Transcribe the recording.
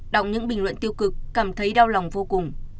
đọc những bình luận tiêu cực cảm thấy đau lòng vô cùng